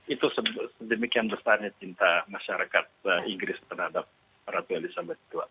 itu sedemikian besarnya cinta masyarakat inggris terhadap ratu elizabeth ii